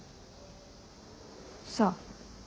さあ。